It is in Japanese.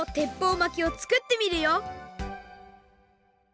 巻きをつくってみるよ！